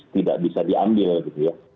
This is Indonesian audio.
tidak bisa diambil gitu ya